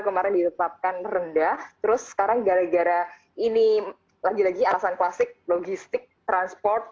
kemarin ditetapkan rendah terus sekarang gara gara ini lagi lagi alasan klasik logistik transport